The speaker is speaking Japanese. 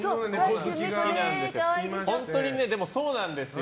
本当にそうなんですよ。